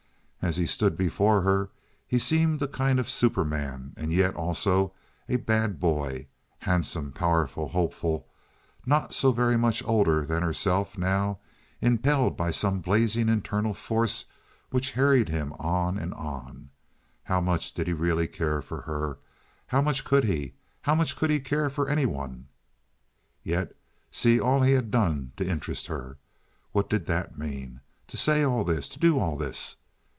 As he stood before her he seemed a kind of superman, and yet also a bad boy—handsome, powerful, hopeful, not so very much older than herself now, impelled by some blazing internal force which harried him on and on. How much did he really care for her? How much could he? How much could he care for any one? Yet see all he had done to interest her. What did that mean? To say all this? To do all this?